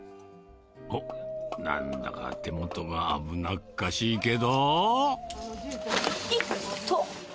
おっ、なんだか手元が危なっかしいけど。